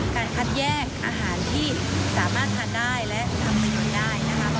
การคัดแยกอาหารที่สามารถทานได้และทำประโยชน์ได้